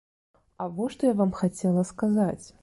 А во што я вам хацела сказаць.